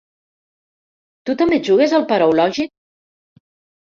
Tu també jugues al paraulògic?